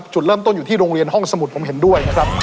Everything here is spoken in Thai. จุดเริ่มต้นอยู่ที่โรงเรียนห้องสมุดผมเห็นด้วยนะครับ